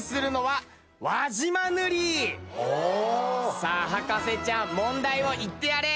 さあ博士ちゃん問題を言ってやれ！